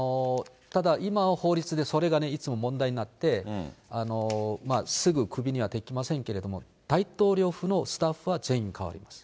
ただ、今は法律でそれがいつも問題になって、すぐ首にはできませんけれども、大統領府のスタッフは全部代わるんです。